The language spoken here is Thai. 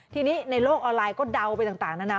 ทีนี้ในโลกออนไลน์ก็เดาไปต่างนานา